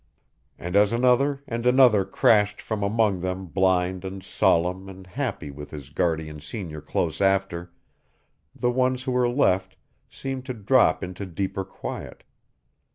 And as another and another crashed from among them blind and solemn and happy with his guardian senior close after, the ones who were left seemed to drop into deeper quiet.